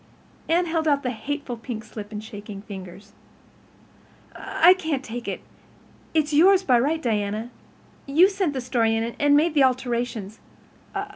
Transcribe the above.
Anne held out the hateful pink slip in shaking fingers. "I can't take it—it's yours by right, Diana. You sent the story in and made the alterations.